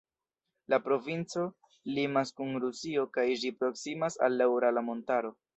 La provinco limas kun Rusio kaj ĝi proksimas al la Urala Montaro.